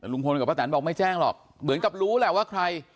ลุงพลกับป้าแตนบอกไม่แจ้งหรอกเหมือนกับรู้แหละว่าใคร